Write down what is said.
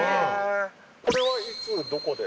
これはいつどこで？